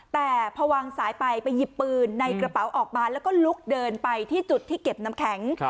แต่พอวางสายไปไปหยิบปืนในกระเป๋าออกมาแล้วก็ลุกเดินไปที่จุดที่เก็บน้ำแข็ง